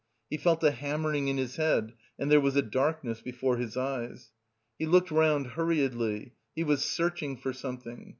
He felt a hammering in his head, and there was a darkness before his eyes. He looked round hurriedly, he was searching for something.